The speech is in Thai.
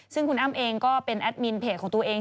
ซึ่งคุณอ้ำเองก็เป็นแอดมินเพจของตัวเอง